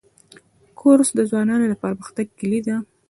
کورس د ځوانانو د پرمختګ کلۍ ده.